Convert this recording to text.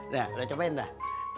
lo cobain dah